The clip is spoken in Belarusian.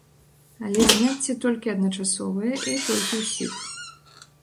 Але зняцце толькі адначасовае і толькі ўсіх.